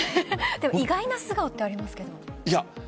意外な素顔ってありますけど。